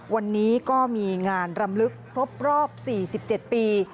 วันนี้ก็มีงานรำลึกครบรอบ๔๗ปี